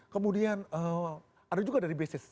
kemudian ada juga dari bisnis